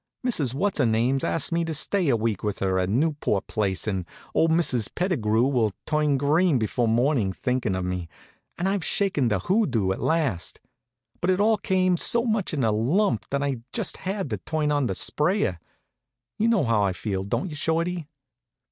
Mrs. What's Her Name's asked me to stay a week with her at their Newport place, and old Mrs. Pettigrew will turn green before morning thinking of me, and I've shaken the hoodoo at last. But it all came so much in a lump that I just had to turn on the sprayer. You know how I feel, don't you, Shorty?"